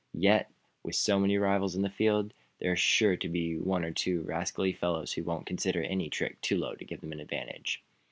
Yet, with so many rivals in the field, there are sure to be one or two rascally fellows who won't consider any trick too low to give them an advantage."